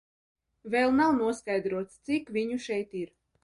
Vēl nav noskaidrots, cik viņu šeit ir.